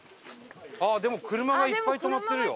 あっでも車がいっぱい止まってるよ。